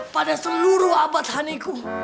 pada seluruh abad honeyku